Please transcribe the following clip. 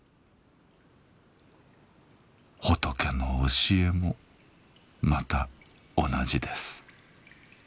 仏の教えもまた同じです。